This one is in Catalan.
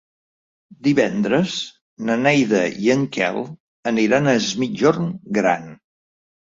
Divendres na Neida i en Quel aniran a Es Migjorn Gran.